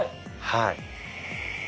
はい。